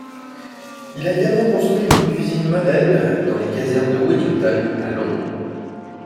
Il a également construit une cuisine modèle dans les casernes de Wellington à Londres.